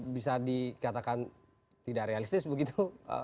bisa dikatakan tidak realistis begitu